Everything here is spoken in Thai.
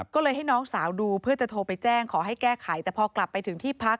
ก็เลยให้น้องสาวดูเพื่อจะโทรไปแจ้งขอให้แก้ไขแต่พอกลับไปถึงที่พัก